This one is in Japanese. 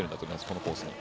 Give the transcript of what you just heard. このコースに。